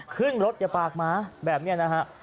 ขึ้นรถอย่าปากม้าแบบนี้นะครับ